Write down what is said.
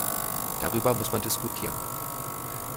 Darüber muss man diskutieren.